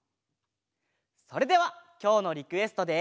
それではきょうのリクエストで。